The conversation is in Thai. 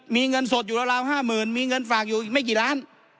มีเงินสดอยู่ราว๕๐๐๐มีเงินฝากอยู่อีกไม่กี่ล้าน